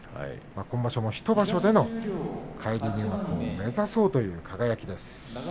今場所、１場所での返り入幕を目指そうという輝です。